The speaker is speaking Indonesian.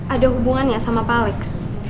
ada hubungannya sama pak alex